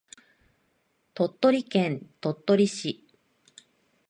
鳥取県鳥取市